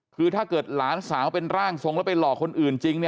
คือถ้าเกิดหลานสาวเป็นร่างทรงแล้วไปหลอกคนอื่นจริง